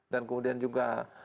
dan kemudian juga